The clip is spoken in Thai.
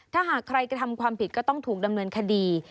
ถ้าหากใครกระทำความผิดก็ต้องถูกดำเนินคดี